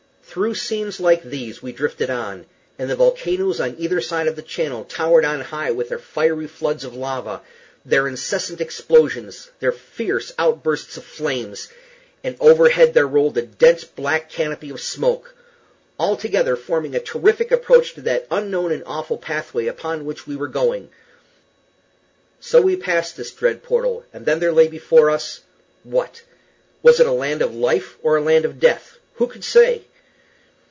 Through scenes like these we drifted on, and the volcanoes on either side of the channel towered on high with their fiery floods of lava, their incessant explosions, their fierce outbursts of flames, and overhead there rolled a dense black canopy of smoke altogether forming a terrific approach to that unknown and awful pathway upon which we were going. So we passed this dread portal, and then there lay before us what? Was it a land of life or a land of death? Who could say?